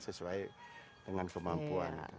sesuai dengan kemampuan